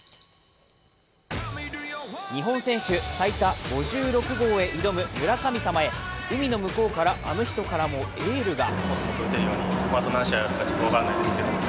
日本選手最多５６号へ挑む村神様へ、海の向こうの、あの人からもエールが。